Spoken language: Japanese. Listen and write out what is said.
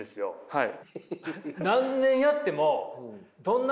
はい。